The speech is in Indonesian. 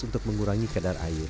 untuk mengurangi kadar air